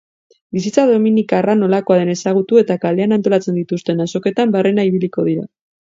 Bizitza dominikarra nolakoa den ezagutu eta kalean antolatzen dituzten azoketan barrena ibiliko dira.